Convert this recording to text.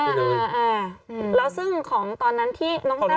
กล้องกว้างอย่างเดียว